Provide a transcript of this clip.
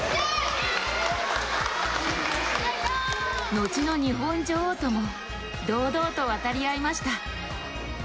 後の日本女王とも堂々と渡り合いました。